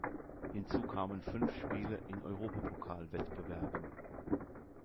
Hinzu kamen fünf Spiele in Europapokal-Wettbewerben.